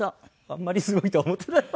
あんまりすごいとは思ってない。